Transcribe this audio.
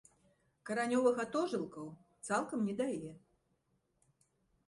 Каранёвых атожылкаў цалкам не дае.